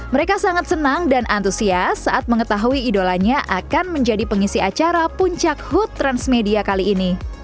mereka sangat senang dan antusias saat mengetahui idolanya akan menjadi pengisi acara puncak hut transmedia kali ini